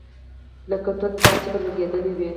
لکه توند باد چي پر لګېدلی وي .